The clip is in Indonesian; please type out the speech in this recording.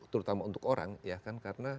terutama untuk orang ya kan karena